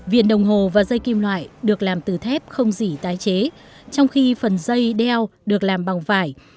viền đồng hồ và dây kim loại được làm từ thép không dỉ tái chế trong khi phần dây đeo được làm bằng vải